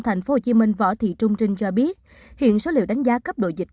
tp hcm võ thị trung trinh cho biết hiện số liệu đánh giá cấp độ dịch